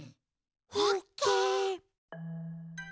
オッケー。